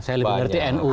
saya lebih ngerti nu